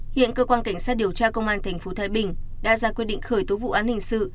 hiện cơ quan cảnh sát điều tra công an tp thái bình đã ra quyết định khởi tố vụ án hình sự